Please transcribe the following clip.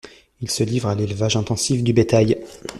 Il se livre à l’élevage intensif du bétail.